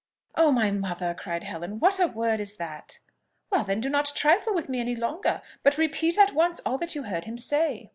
"Oh, my mother!" cried Helen; "what a word is that!" "Well, then, do not trifle with me any longer, but repeat at once all that you heard him say."